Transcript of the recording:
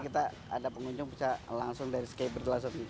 kita ada pengunjung bisa langsung dari skiber